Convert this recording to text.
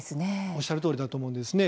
おっしゃるとおりだと思うんですね。